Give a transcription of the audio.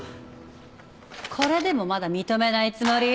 これでもまだ認めないつもり？